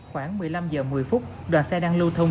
khoảng một mươi năm h một mươi phút đoàn xe đang lưu thông